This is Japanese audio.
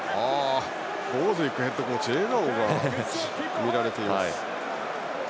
ボーズウィックヘッドコーチに笑顔が見られています。